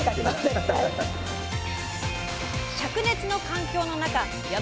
しゃく熱の環境の中山